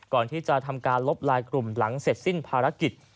ก่อนที่จะทำการลบลายกลุ่มหลังเสร็จสิ้นภารกิจ